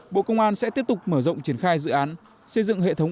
bộ công an sẽ tiếp tục mở rộng triển khai dự án xây dựng hệ thống